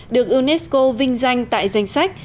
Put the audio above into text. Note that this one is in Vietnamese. được unesco vinh danh tại danh sách